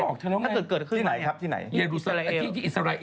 ถ้าเกิดเกิดขึ้นมา